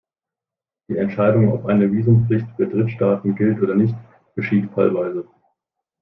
Die Entscheidung ob eine Visumpflicht für Drittstaaten gilt oder nicht, geschieht fallweise.